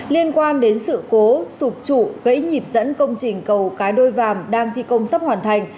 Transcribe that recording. liên quan đến sự cố sụp trụ gãy nhịp dẫn công trình cầu cái đôi vàm đang thi công sắp hoàn thành